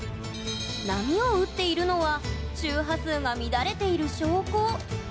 波を打っているのは周波数が乱れている証拠。